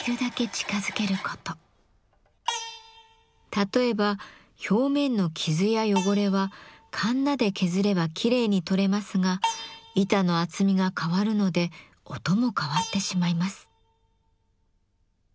例えば表面の傷や汚れはかんなで削ればきれいに取れますが板の厚みが変わるので音も変わってしまいます。